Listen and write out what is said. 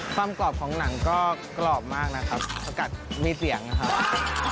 กรอบของหนังก็กรอบมากนะครับสกัดมีเสียงนะครับ